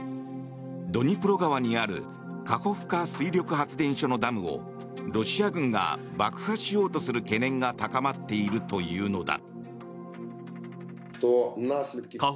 ドニプロ川にあるカホフカ水力発電所のダムをロシア軍が爆破しようとする懸念が高まっているというのだ。